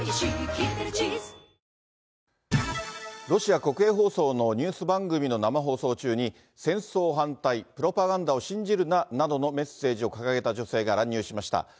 ロシア国営放送のニュース番組の生放送中に、戦争反対、プロパガンダを信じるななどのメッセージを掲げた女性が乱入しました。